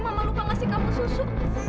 mama lupa ngasih kamu susu